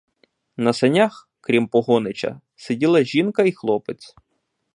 На санях, крім погонича, сиділа жінка і хлопець.